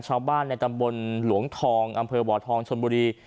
ชาวบ้านในตำบลหลวงทองอำเทอบฑชนบุหรี่